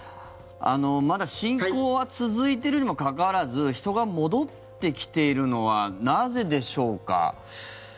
まだ侵攻は続いているにもかかわらず人が戻ってきているのはなぜでしょうか。